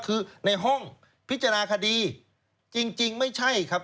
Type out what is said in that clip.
คือในห้องพิจารณาคดีจริงไม่ใช่ครับ